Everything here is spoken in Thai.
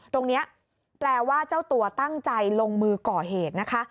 ตรงนี้แปลว่าเจ้าตัวตั้งใจลงมือก่อเหตุนะคะ